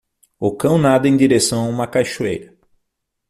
O cão nada em direção a uma cachoeira.